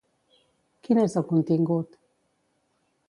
Quin és el contingut?